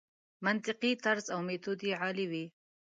منطقي طرز او میتود یې عالي وي.